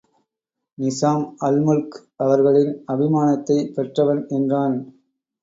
நிசாம் அல்முல்க் அவர்களின் அபிமானத்தைப் பெற்றவன்! என்றான்.